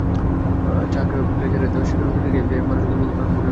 চাক ব্লেজারের দেওয়া স্বীকারোক্তি থেকেই এফবিআই ফিফার দুর্নীতি নিয়ে তদন্ত শুরু করে।